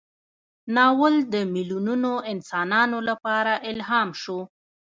ناول د میلیونونو انسانانو لپاره الهام شو.